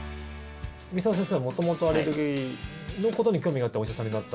海老澤先生は元々、アレルギーのことに興味があってお医者さんになった？